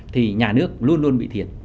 thì nhà nước luôn luôn bị thiệt